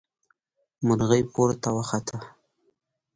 مرغۍ پورته وخته.